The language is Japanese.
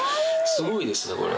すごいですねこれ。